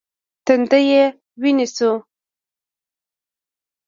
تندی یې ویني شو .